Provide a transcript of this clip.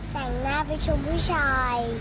แต่งหน้าไปชมผู้ชาย